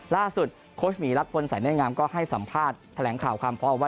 โค้ชหมีรักพลสายแม่งามก็ให้สัมภาษณ์แถลงข่าวความพร้อมว่า